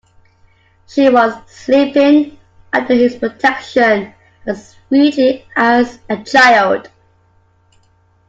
She was sleeping under his protection as sweetly as a child.